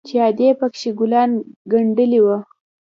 چې ادې پکښې ګلان گنډلي وو.